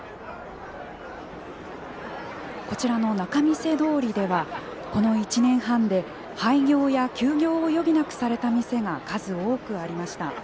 こちらの仲見世通りではこの１年半で廃業や休業を余儀なくされた店が数多くありました。